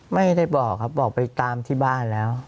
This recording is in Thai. ไม่ได้บอกครับบอกไปตามที่บ้านแล้ว